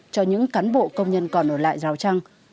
cho những cán bộ công nhân còn ở đây